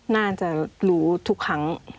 น่าจะรู้ทุกครั้ง